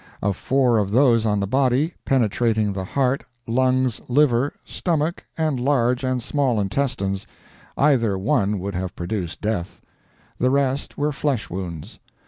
Of four of those on the body, penetrating the heart, lungs, liver, stomach, and large and small intestines, either one would have produced death; the rest were flesh wounds.